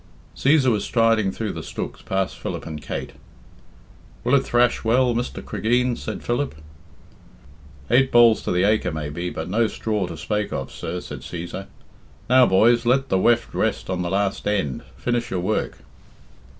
Cæsar was striding through the stooks past Philip and Kate. "Will it thrash well, Mr. Cregeen?" said Philip. "Eight bolls to the acre maybe, but no straw to spake of, sir," said Cæsar. "Now, boys, let the weft rest on the last end, finish your work."